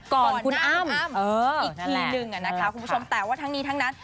ก่อนคุณอ้ำอีกทีนึงนะคะคุณผู้ชมแต่ว่าทั้งนี้ทั้งนั้น